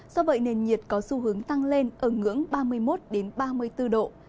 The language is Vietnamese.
do vậy nền nhiệt có xu hướng tăng lên ở ngưỡng ba mươi một ba mươi bốn độ